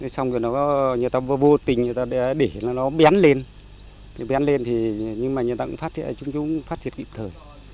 xong rồi người ta vô tình để nó bén lên nhưng mà chúng ta cũng phát triển kịp thời